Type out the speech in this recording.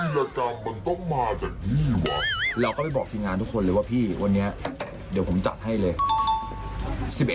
แล้วก็ไปบอกที่งานทุกคนเลยว่าพี่วันนี้เดี๋ยวผมจัดให้เลย